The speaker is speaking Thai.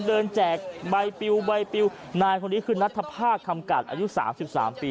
เดินแจกใบปิวใบปิวนายคนนี้คือนัฐภาคคำกัดอายุสามสิบสามปี